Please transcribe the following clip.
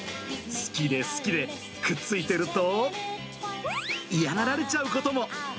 好きで好きで、くっついてると、嫌がられちゃうことも。